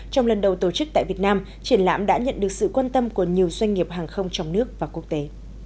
trong lần đầu tổ chức tại việt nam triển lãm đã nhận được sự quan tâm của nhiều doanh nghiệp hàng không trong nước và quốc tế